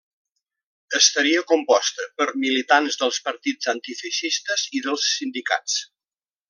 Estaria composta per militants dels partits antifeixistes i dels sindicats.